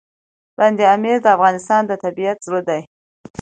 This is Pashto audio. بند امیر د افغانستان د طبیعت زړه دی.